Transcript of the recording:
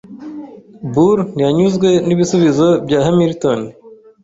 Burr ntiyanyuzwe n'ibisubizo bya Hamilton.